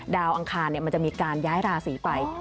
อังคารมันจะมีการย้ายราศีไป